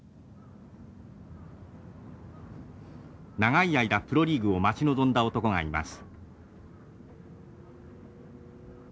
長い間プロリーグを待ち望んだ男がいます。